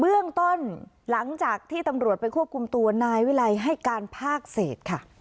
เบื้องต้นหลังจากที่ตำรวจไปควบคุมตัวนายวิลัยให้การภาคเศษค่ะ